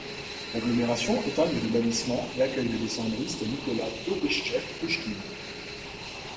L'agglomération est un lieu de bannissement et accueille le décembriste Nicolas Bobrichtchev-Pouchkine.